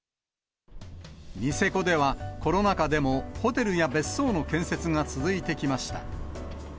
ニセコでは、コロナ禍でもホテルや別荘の建設が続いてきました。